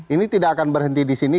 ini tidak akan berhenti di sini